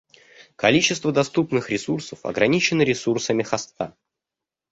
Количество доступных ресурсов ограничено ресурсами хоста